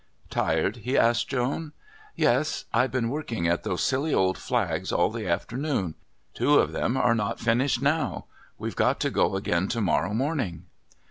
"Tired?" he asked Joan. "Yes. I've been working at those silly old flags all the afternoon. Two of them are not finished now. We've got to go again to morrow morning."